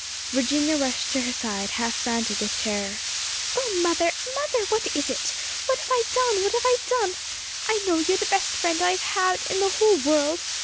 Virginia rushed to her side, half frantic with terror. "Oh, mother, mother, what is it? What have I done! what have I done! I know you're the best friend I have in the world!"